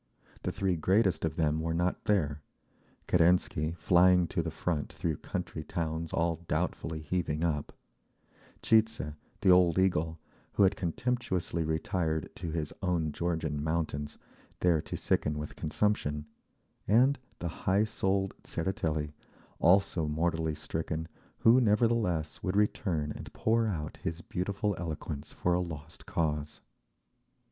The three greatest of them were not there: Kerensky, flying to the front through country towns all doubtfully heaving up; Tcheidze, the old eagle, who had contemptuously retired to his own Georgian mountains, there to sicken with consumption; and the high souled Tseretelli, also mortally stricken, who, nevertheless, would return and pour out his beautiful eloquence for a lost cause.